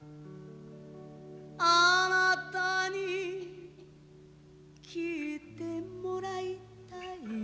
「あなたに聞いてもらいたい」